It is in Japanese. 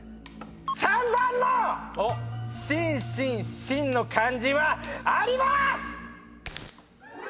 ３番の心心心の漢字はあります！